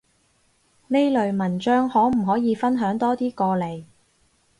呢類文章可唔可以分享多啲過嚟？